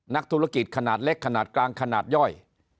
นักธุรกิจขนาดเล็กขนาดกลางขนาดย่อย